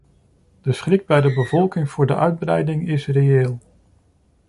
De schrik bij de bevolking voor de uitbreiding is reëel.